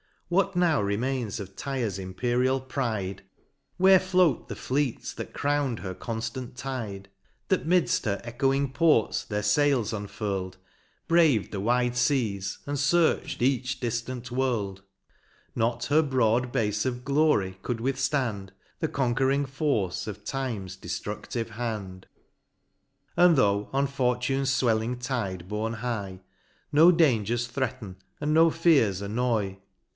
What now remains of Tyre's imperial pride ? Where float the fleets that crown'd her conftant tide. That 'midft her echoing ports their fails unfurl'd, Brav'd the wide feas, and fearch'd each diftant world ?— Not her broad bafe of glory, cou'd withftand. The conquering force of time's deftrudlive hand. And tho' on fortune's fwelling tide borne high, No dangers threaten, and no fears annoy j The 54 MOUNT PLEASANT.